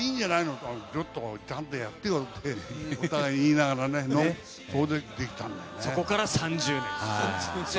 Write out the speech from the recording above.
って、ちゃんとやってよとかってお互い言いながらね、そこから３０年と。